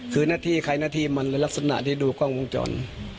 คือหน้าที่ใครหน้าที่มันในลักษณะที่ดูกล้องวงจร